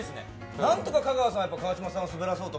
なんとか香川さんが川島さんをスベらそうと。